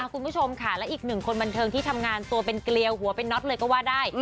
คุณผู้ชมค่ะและอีกหนึ่งคนบันเทิงที่ทำงานตัวเป็นเกลียวหัวเป็นน็อตเลยก็ว่าได้